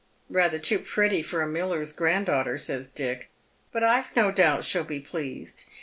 " Eather too pretty for a miller's granddaughter," says Dick. " But I've no doubt she'll be pleased.